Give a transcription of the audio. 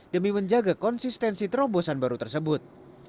demi menjaga konsistensi terobosan baru tersebut